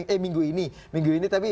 eh minggu ini minggu ini tapi